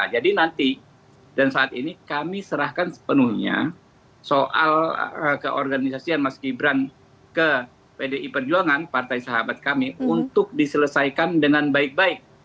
berarti itu ada di anggota jadi nanti dan saat ini kami serahkan sepenuhnya soal keorganisasian mas gibran ke pdi perjuangan partai sahabat kami untuk diselesaikan dengan baik baik